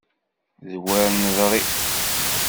D wer neḍri!